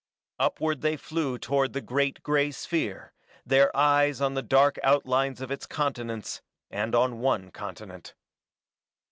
Upward they flew toward the great gray sphere, their eyes on the dark outlines of its continents and on one continent.